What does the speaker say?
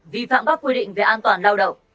vi phạm các quy định về an toàn lao động